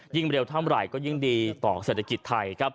เร็วเท่าไหร่ก็ยิ่งดีต่อเศรษฐกิจไทยครับ